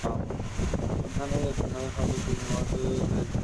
পাঠদানের দায়িত্বে থাকা সহকারী শিক্ষকেরা ভারপ্রাপ্ত প্রধান শিক্ষকের দায়িত্ব পালন করছেন।